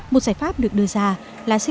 một giải pháp được đưa ra là xây dựng